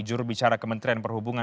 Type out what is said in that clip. jurubicara kementerian perhubungan